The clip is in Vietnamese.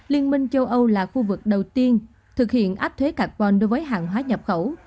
liên minh châu âu là khu vực đầu tiên thực hiện áp thuế carbon đối với hàng hóa nhập khẩu